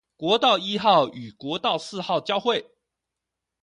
國道一號與國道四號交會